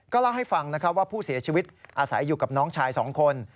เล่าให้ฟังนะครับว่าผู้เสียชีวิตอาศัยอยู่กับน้องชาย๒คน